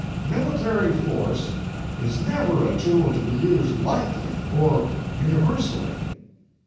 Military force is never a tool to be used lightly or universally.